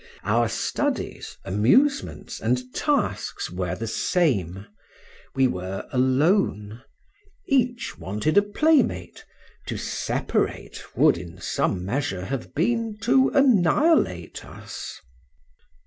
Our studies, amusements, and tasks, were the same; we were alone; each wanted a playmate; to separate would in some measure, have been to annihilate us.